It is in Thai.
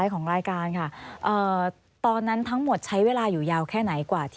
ขอบคุณค่ะ